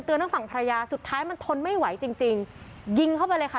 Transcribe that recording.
ทั้งฝั่งภรรยาสุดท้ายมันทนไม่ไหวจริงจริงยิงเข้าไปเลยค่ะ